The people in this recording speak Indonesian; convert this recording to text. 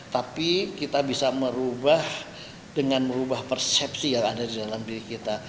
tapi kita bisa merubah dengan merubah persepsi yang ada di dalam diri kita